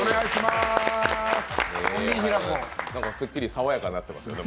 すっきり爽やかになってますよね。